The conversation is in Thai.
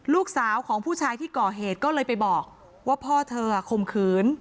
ลูกสาวของผู้ชายที่ก่อเหตุก็เลยไปบอกว่าพ่อเธอข่มขืน